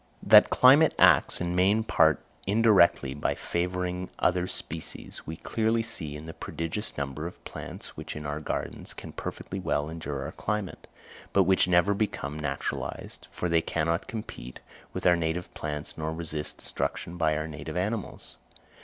That climate acts in main part indirectly by favouring other species we clearly see in the prodigious number of plants which in our gardens can perfectly well endure our climate, but which never become naturalised, for they cannot compete with our native plants nor resist destruction by our native animals.